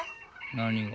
何が？